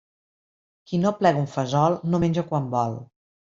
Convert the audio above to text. Qui no plega un fesol no menja quan vol.